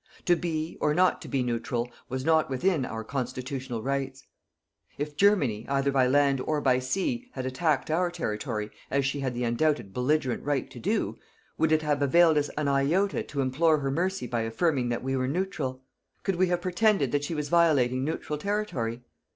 To be, or not to be, neutral, was not within our constitutional rights. If Germany, either by land or by sea, had attacked our territory, as she had the undoubted belligerent right to do, would it have availed us an iota to implore her mercy by affirming that we were neutral? Could we have pretended that she was violating neutral territory?